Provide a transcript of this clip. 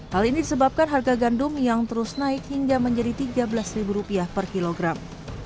hal ini disebabkan harga gandum yang terus naik hingga menjadi rp tiga belas per kilogram